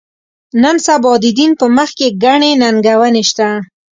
نن سبا د دین په مخ کې ګڼې ننګونې شته.